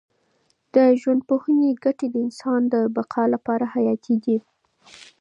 د ژوندپوهنې ګټې د انسان د بقا لپاره حیاتي دي.